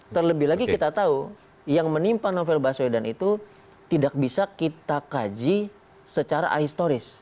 terlebih lagi kita tahu yang menimpa novel baswedan itu tidak bisa kita kaji secara ahistoris